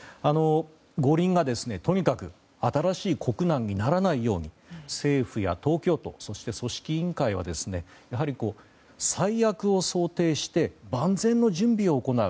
五輪がとにかく新しい国難にならないように政府や東京都そして組織委員会はやはり最悪を想定して万全の準備を行う。